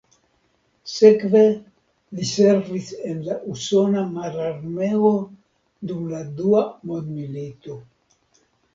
Sekve li servis en la usona mararmeo dum la Dua Mondmilito.